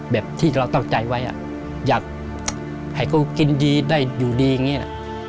แบบที่เราตั้งใจไว้อยากให้เขากินดีได้อยู่ดีอย่างนี้นะ